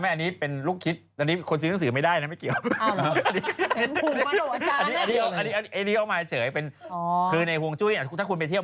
มักลูกคิดเป็นหนึ่งในเครื่องลางอนคลในเพลงของของฝงจุ้ยด้วย